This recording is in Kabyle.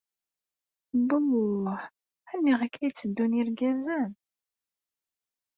Buh, aniɣ akk-a ay tteddun yirgazen?